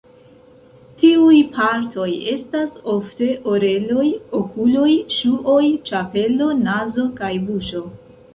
Tiuj partoj estas ofte oreloj, okuloj, ŝuoj, ĉapelo, nazo kaj buŝo.